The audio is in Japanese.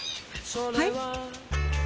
はい？